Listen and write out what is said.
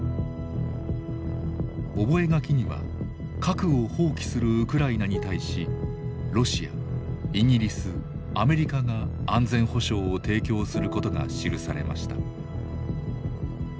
覚書には核を放棄するウクライナに対しロシアイギリスアメリカが安全保障を提供することが記されました。